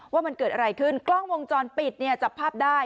ว่ามันเกิดอะไรขึ้นกล้องวงจรปิดเนี่ยจับภาพได้